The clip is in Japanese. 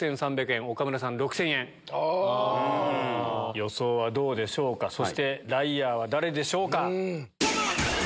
予想はどうでしょうかそしてライアーは誰でしょうか。